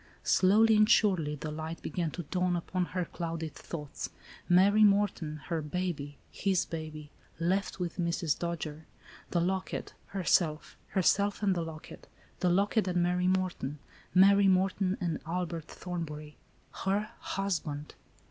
Slowly and surely the light began to dawn upon her clouded thoughts. Mary Morton; her baby, his baby; left with Mrs. Dojere; the locket'; herself; herself and the locket; the locket and Mary Morton; Mary Morton and Albert Thorn bury; her husband!